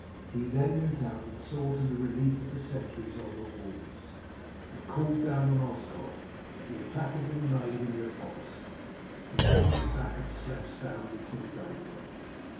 He then went out and saw to the relief of the sentries on the walls, and called down to Osgod that the attack had been made and repulsed. He then went back and slept soundly till daybreak.